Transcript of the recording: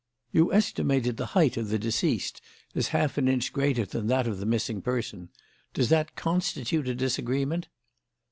"You estimated the height of the deceased as half an inch greater than that of the missing person. Does that constitute a disagreement?"